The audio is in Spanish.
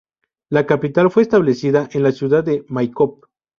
La capital fue establecida en la ciudad de Maikop.